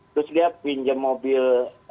terus dia pinjem mobil